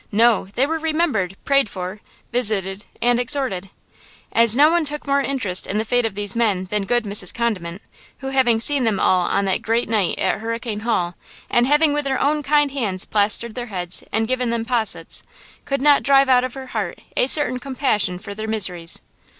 no, they were remembered, prayed for, visited and exhorted. And no one took more interest in the fate of these men than good Mrs. Condiment, who, having seen them all on that great night at Hurricane Hall, and having with her own kind hands plastered their heads and given them possets, could not drive out of her heart a certain compassion for their miseries.